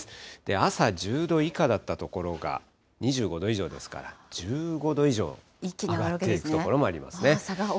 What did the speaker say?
朝１０度以下だった所が、２５度以上ですから、１５度以上上がっていく所もありますね。